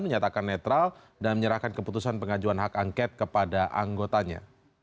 menyatakan netral dan menyerahkan keputusan pengajuan hak angket kepada anggotanya